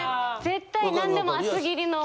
絶対何でも厚切りの。